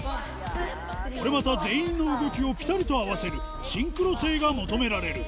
これまた全員の動きをぴたりと合わせるシンクロ性が求められる。